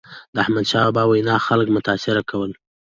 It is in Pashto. د احمدشاه بابا وینا خلک متاثره کول.